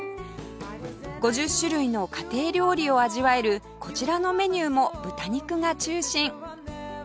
５０種類の家庭料理を味わえるこちらのメニューも豚肉が中心